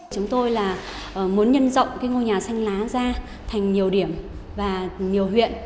chúng tôi là muốn nhân rộng ngôi nhà xanh lá ra thành nhiều điểm và nhiều huyện